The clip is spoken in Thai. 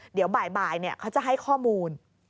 เดี๋ยวบ่ายเขาจะให้ข้อมูล